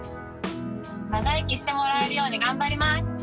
長生きしてもらえるように頑張ります。